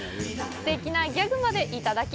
すてきなギャグまでいただき